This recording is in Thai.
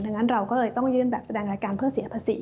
ดังนั้นเราก็เลยต้องยื่นแบบแสดงรายการเพื่อเสียภาษี